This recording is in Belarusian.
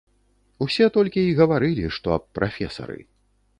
Усе толькі й гаварылі, што аб прафесары.